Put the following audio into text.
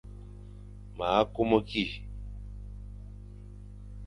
Ma kumu ki.